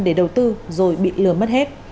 những người thân để đầu tư rồi bị lừa mất hết